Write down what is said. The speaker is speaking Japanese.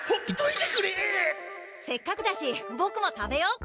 せっかくだしボクも食べよう。